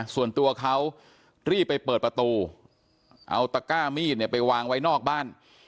ส่วนตัวเขารีบไปเปิดประตูเอาตะก้ามีดเนี่ยไปวางไว้นอกบ้าน